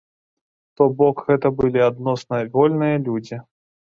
То бок, гэта былі адносна вольныя людзі.